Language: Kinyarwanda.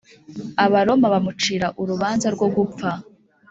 abaroma bamucira urubanza rwo gupfa